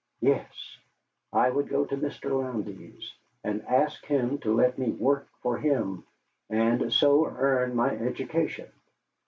Yes, I would go to Mr. Lowndes, and ask him to let me work for him and so earn my education.